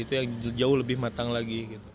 regulasi itu jauh lebih matang lagi